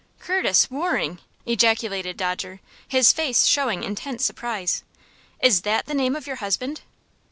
"Curtis Waring!" ejaculated Dodger, his face showing intense surprise. "Is that the name of your husband?"